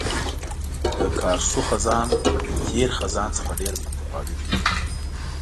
د کارسو خزان له تېر خزان څخه ډېر متفاوت وو.